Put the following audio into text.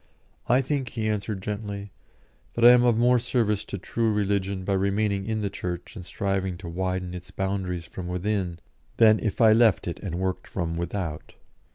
"I think," he answered, gently, "that I am of more service to true religion by remaining in the Church and striving to widen its boundaries from within, than if I left it and worked from without."